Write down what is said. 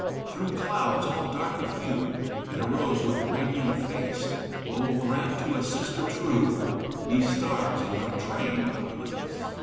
Through clouds, all dark of hue, It arose with radiant face; Oh, grant to a sister true, Ye stars, in your train a place!